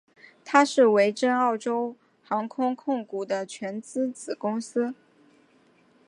它是维珍澳洲航空控股的全资子公司。